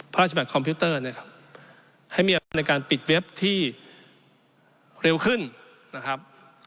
ฉบับคอมพิวเตอร์เนี่ยครับให้มีอำนาจในการปิดเว็บที่เร็วขึ้นนะครับ